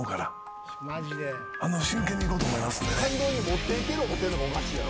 感動に持っていけると思ってるのが、おかしいやろ。